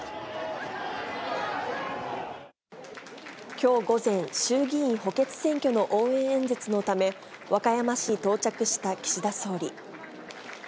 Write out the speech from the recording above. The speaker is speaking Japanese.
きょう午前、衆議院補欠選挙の応援演説のため、和歌山市に到着した岸田総理。